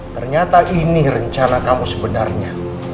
ternyata ini rencana kamu sebenarnya